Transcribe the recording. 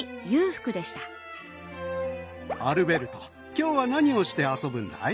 今日は何をして遊ぶんだい？